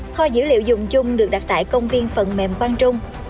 kho dữ liệu dùng chung được đặt tại công viên phần mềm quang trung